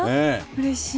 うれしい。